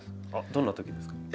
どんなときですか？